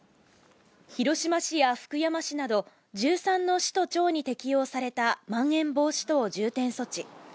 広島市や福山市など１３の市と町に適用されたまん延防止等重点措置。